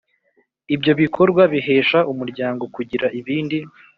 Ibyo bikorwa bihesha umuryango kugira ibindi